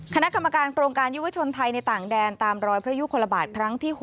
คณะกรรมการโครงการยุวชนไทยในต่างแดนตามรอยพระยุคลบาทครั้งที่๖